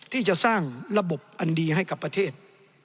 ที่จะสร้างระบบอันดีให้กับประเทศ